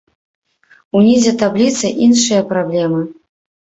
Унізе табліцы іншыя праблемы.